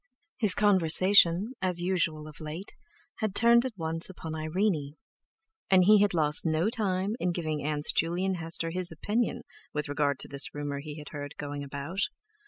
His conversation, as usual of late, had turned at once upon Irene, and he had lost no time in giving Aunts Juley and Hester his opinion with regard to this rumour he heard was going about.